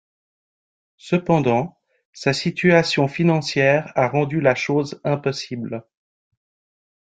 Cependant, sa situation financière a rendu la chose impossible.